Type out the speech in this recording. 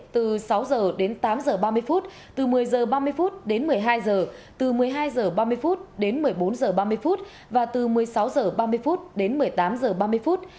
từ sáu giờ đến tám giờ ba mươi phút từ một mươi giờ ba mươi phút đến một mươi hai giờ từ một mươi hai giờ ba mươi phút đến một mươi bốn giờ ba mươi phút và từ một mươi sáu giờ ba mươi phút đến một mươi tám giờ ba mươi phút